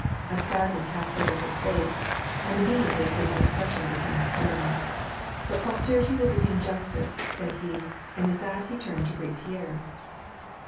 A spasm passed over his face, and immediately his expression became stern. " But posterity will do him justice," said he, and with that he turned to greet Pierre.